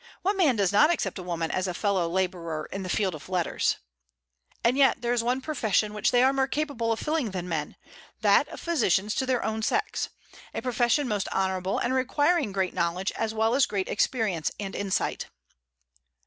What man does not accept woman as a fellow laborer in the field of letters? And yet there is one profession which they are more capable of filling than men, that of physicians to their own sex; a profession most honorable, and requiring great knowledge, as well as great experience and insight.